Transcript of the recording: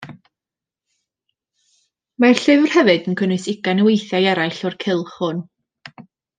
Mae'r llyfr hefyd yn cynnwys ugain o weithiau eraill o'r cylch hwn.